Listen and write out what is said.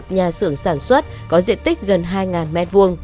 một nhà xưởng sản xuất có diện tích gần hai m hai